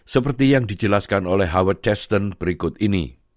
seperti yang dijelaskan oleh howard chaston berikut ini